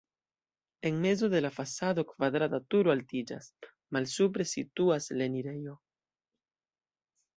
En mezo de la fasado kvadrata turo altiĝas, malsupre situas la enirejo.